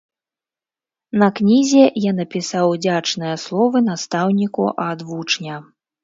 На кнізе я напісаў удзячныя словы настаўніку ад вучня.